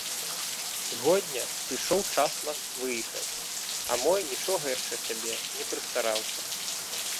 Сягоння сышоў час наш выехаць, а мой нічога яшчэ сабе не прыстараўся.